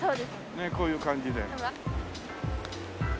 ねっこういう感じで。